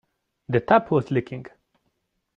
The tap was leaking.